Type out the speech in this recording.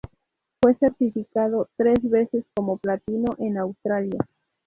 Fue certificado tres veces como platino en Australia.